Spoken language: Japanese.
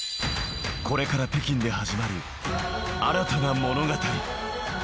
これから北京で始まる新たな物語。